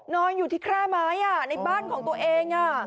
นอนอยู่ที่แคร่ไม้ในบ้านของตัวเอง